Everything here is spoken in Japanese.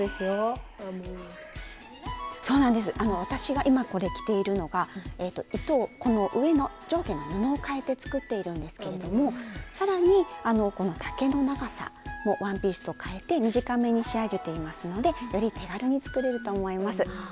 私が今これ着ているのが上下の布を変えて作っているんですけれどもさらにこの丈の長さもワンピースと変えて短めに仕上げていますのでより手軽に作れると思います。